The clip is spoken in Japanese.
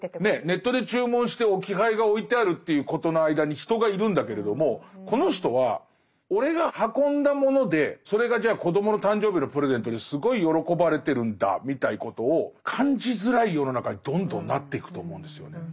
ネットで注文して置き配が置いてあるということの間に人がいるんだけれどもこの人は俺が運んだものでそれがじゃあ子どもの誕生日のプレゼントですごい喜ばれてるんだみたいなことを感じづらい世の中にどんどんなっていくと思うんですよね。